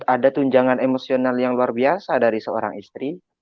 ada tunjangan emosional yang luar biasa dari seorang istri